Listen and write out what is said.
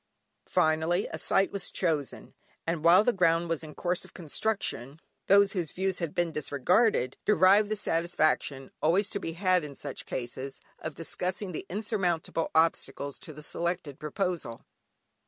Finally, a site was chosen, and while the ground was in course of construction, those whose views had been disregarded, derived the satisfaction (always to be had in such cases) of discussing the insurmountable obstacles to the selected proposal.